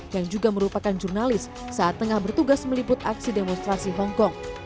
yang juga merupakan jurnalis saat tengah bertugas meliput aksi demonstrasi hongkong